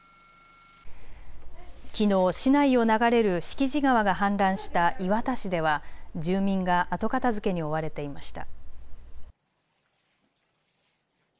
きのう市内を流れる敷地川が氾濫した磐田市では住民が後片づけに追われていました。